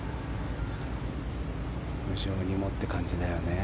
無情にもっていう感じだよね。